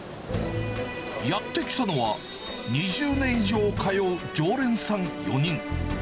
やって来たのは、２０年以上通う常連さん４人。